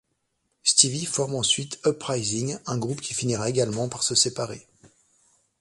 Stevie forme ensuite Up Rising, un groupe qui finira également par se séparer.